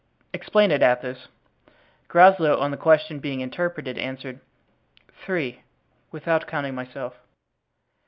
"Explain it, Athos." Groslow, on the question being interpreted, answered, "Three, without counting myself."